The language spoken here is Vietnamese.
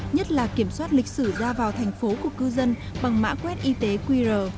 nhất là kiểm soát lịch sử ra vào thành phố của cư dân bằng mã quét y tế qr